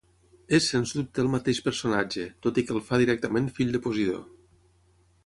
És, sens dubte, el mateix personatge, tot i que el fa directament fill de Posidó.